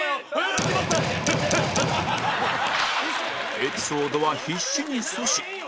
エピソードは必死に阻止